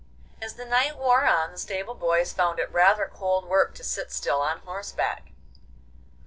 As the night wore on the stable boys found it rather cold work to sit still on horseback.